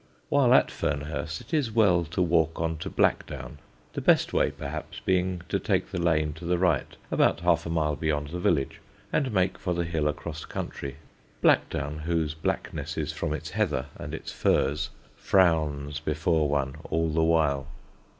While at Fernhurst it is well to walk on to Blackdown, the best way, perhaps, being to take the lane to the right about half a mile beyond the village, and make for the hill across country. Blackdown, whose blackness is from its heather and its firs, frowns before one all the while.